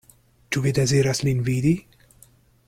Ĉu vi deziras lin vidi?